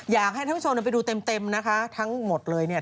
อยากให้ท่านผู้ชมไปดูเต็มนะคะทั้งหมดเลยเนี่ย